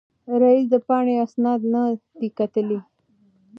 رییس د پاڼې اسناد نه دي کتلي.